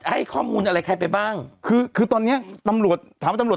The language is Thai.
ให้ข้อมูลอะไรใครไปบ้างคือคือตอนเนี้ยตำรวจถามว่าตำรวจ